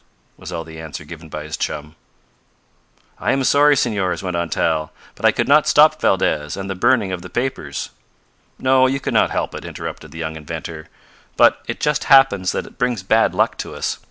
"Huh!" was all the answer given by his chum. "I am sorry, Senors," went on Tal, "but I could not stop Valdez, and the burning of the papers " "No, you could not help it," interrupted the young inventor. "But it just happens that it brings bad luck to us.